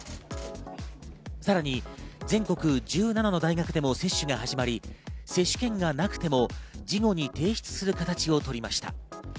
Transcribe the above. さらに全国１７の大学でも接種が始まり接種券がなくても事後に提出する形を取りました。